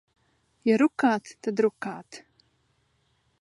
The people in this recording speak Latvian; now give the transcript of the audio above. Ja rukāt, tad rukāt.